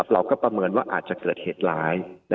ประเมินว่าอาจจะเกิดเหตุร้าย